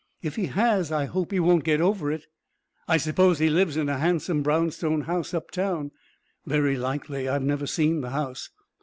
"If he has, I hope he won't get over it." "I suppose he lives in a handsome brownstone house uptown." "Very likely; I've never seen the house."